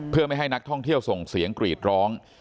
เพื่อไม่ให้นักท่องเที่ยวส่งเสียงกรีดร้อง